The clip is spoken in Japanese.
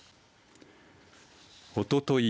おととい